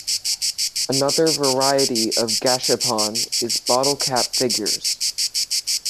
Another variety of gashapon is bottle cap figures.